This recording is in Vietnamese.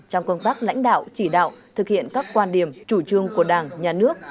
trong công tác lãnh đạo chỉ đạo thực hiện các quan điểm chủ trương của đảng nhà nước